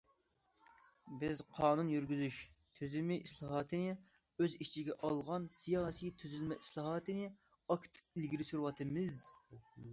بىز قانۇن يۈرگۈزۈش تۈزۈمى ئىسلاھاتىنى ئۆز ئىچىگە ئالغان سىياسىي تۈزۈلمە ئىسلاھاتىنى ئاكتىپ ئىلگىرى سۈرۈۋاتىمىز.